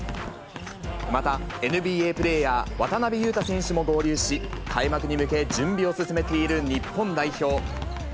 また、ＮＢＡプレーヤー渡邊雄太選手も合流し、開幕に向け準備を進めている日本代表。